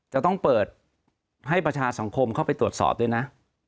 จะต้องเปิดให้ประชาสังคมเข้าไปตรวจสอบด้วยนะ